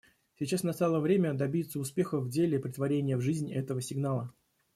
Сейчас настало время добиться успехов в деле претворения в жизнь этого сигнала.